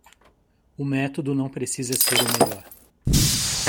O método não precisa ser o melhor.